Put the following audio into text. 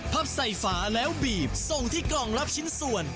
พับใส่ฝาแล้วบีบส่งที่กล่องรับชิ้นส่วน